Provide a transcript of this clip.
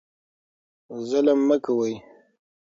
ظلم مه کوئ.